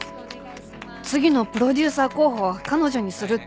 次のプロデューサー候補は彼女にするって。